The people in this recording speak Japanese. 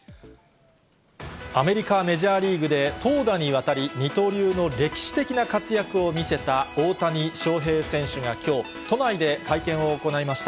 アメリカメジャーリーグで、投打にわたり、二刀流の歴史的な活躍を見せた大谷翔平選手がきょう、都内で会見を行いました。